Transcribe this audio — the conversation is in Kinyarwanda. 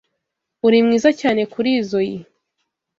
Uri mwiza cyane kurizoi.